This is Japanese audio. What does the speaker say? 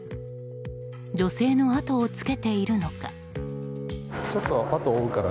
女性の後をつけているのか。